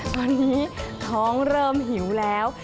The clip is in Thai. ตอนนี้ท้องเริ่มหิวแล้ว